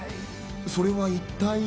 それは一体。